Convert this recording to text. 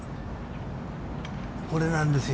これなんですよ。